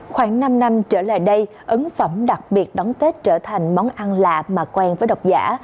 khoảng năm năm trở lại đây ấn phẩm đặc biệt đón tết trở thành món ăn lạ mà quen với độc giả